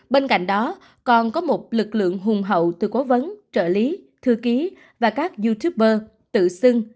bên cạnh đó còn có một lực lượng hùng hậu từ cố vấn trợ lý thư ký và các youtuber tự xưng